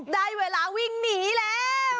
ได้เวลาวิ่งหนีแล้ว